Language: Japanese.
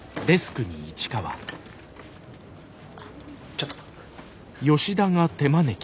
ちょっと。